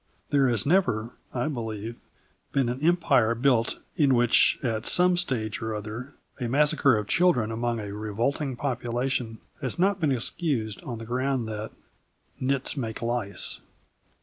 There has never, I believe, been an empire built in which, at some stage or other, a massacre of children among a revolting population has not been excused on the ground that "nits make lice."